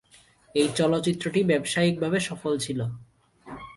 এই চলচ্চিত্রটি ব্যবসায়িকভাবে সফল ছিল।